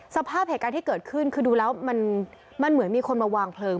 สภาพเหตุการณ์ที่เกิดขึ้นคือดูแล้วมันเหมือนมีคนมาวางเพลิง